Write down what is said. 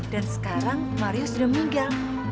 dan sekarang mario sudah meninggal